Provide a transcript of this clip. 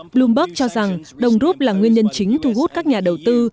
bloomberg cho rằng đồng rút là nguyên nhân chính thu hút các nhà đầu tư